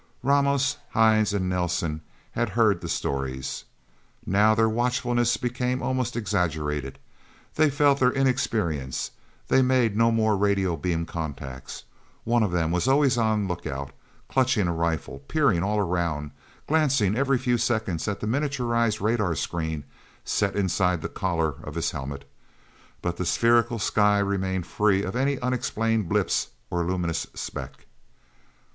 Ramos, Hines, and Nelsen had heard the stories. Now, their watchfulness became almost exaggerated. They felt their inexperience. They made no more radio beam contacts. One of them was always on lookout, clutching a rifle, peering all around, glancing every few seconds at the miniaturized radar screen set inside the collar of his helmet. But the spherical sky remained free of any unexplained blip or luminous speck.